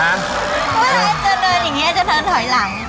เพราะว่าแอร์จะเดินอย่างงี้อาจจะเดินถอยหลัง